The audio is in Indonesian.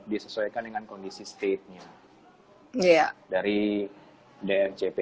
disesuaikan dengan kondisi statenya dari drjp tiga belas